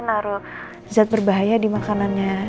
naruh zat berbahaya di makanannya